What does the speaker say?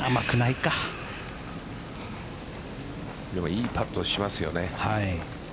いいパットしますよね。